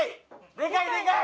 でかいでかい！